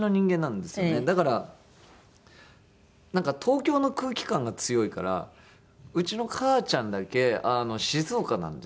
だからなんか東京の空気感が強いからうちの母ちゃんだけ静岡なんですよ。